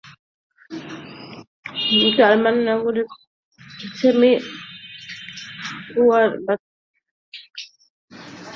German নাগরিক শেমিজওয়া তমাস গোরাওতোভিজের ওপর নির্যাতন করার অভিযোগ করেছে বাংলাদেশে দেশটির দূতাবাস।